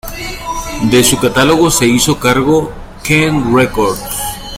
De su catálogo se hizo cargo Kent Records.